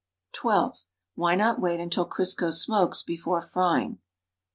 (15) Why not wait until Crisco smokes before frying?